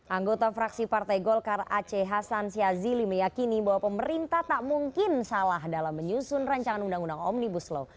anggota fraksi partai golkar aceh hasan syazili meyakini bahwa pemerintah tak mungkin salah dalam menyusun rancangan undang undang omnibus law